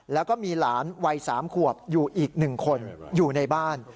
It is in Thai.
แล้วก็มีหลานวัย๓ขวบอยู่อีก๑คนอยู่ในบ้าน